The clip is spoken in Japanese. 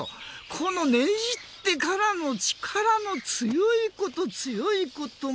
このねじってからの力の強いこと強いこと。